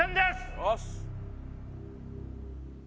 よし！